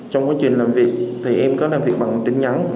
trong quá trình làm việc thì em có làm việc bằng tin nhắn